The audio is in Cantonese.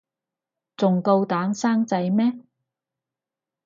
仲夠膽生仔咩